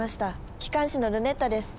機関士のルネッタです。